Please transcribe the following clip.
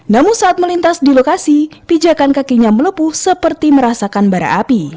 namun saat melintas di lokasi pijakan kakinya melepuh seperti merasakan bara api